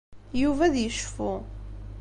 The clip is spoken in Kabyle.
Yuba ad yecfu.